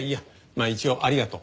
まあ一応ありがとう。